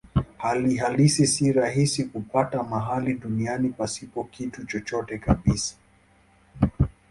Hali halisi si rahisi kupata mahali duniani pasipo kitu chochote kabisa.